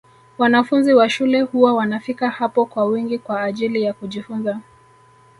Wanafunzi wa shule huwa wanafika hapo kwa wingi kwa ajili ya kujifunza